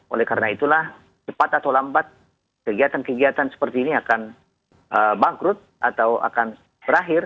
oleh karena itulah cepat atau lambat kegiatan kegiatan seperti ini akan bangkrut atau akan berakhir